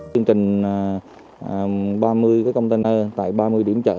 chương trình ba mươi container tại ba mươi điểm chợ